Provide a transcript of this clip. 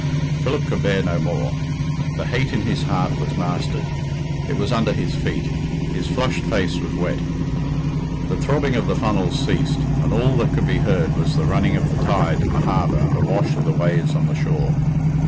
Philip could bear no more. The hate in his heart was mastered. It was under his feet. His flushed face was wet. The throbbing of the funnels ceased, and all that could be heard was the running of the tide in the harbour and the wash of the waves on the shore.